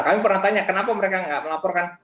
kami pernah tanya kenapa mereka nggak melaporkan